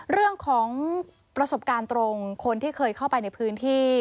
เรื่องของประสบการณ์ตรงคนที่เคยเข้าไปในพื้นที่